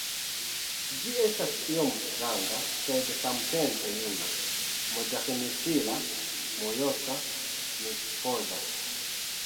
Ĝi estas iom stranga sed samtempe juna, modernstila, mojosa mi supozas